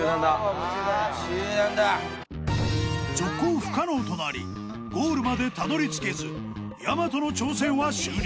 ［続行不可能となりゴールまでたどりつけずやまとの挑戦は終了］